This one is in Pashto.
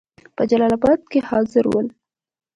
په جلال آباد کې حاضر ول.